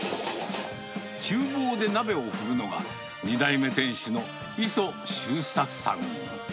ちゅう房で鍋を振るのが、２代目店主の磯周作さん。